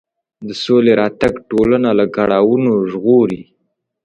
د سولې راتګ ټولنه له کړاوونو ژغوري.